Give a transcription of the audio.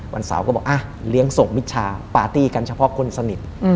วันเสาร์ก็บอกเลี้ยงส่งมิชาปาร์ตี้กันเฉพาะคนสนิท